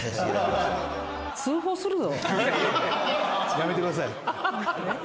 やめてください。